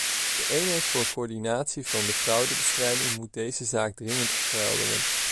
De eenheid voor coördinatie van de fraudebestrijding moet deze zaak dringend ophelderen.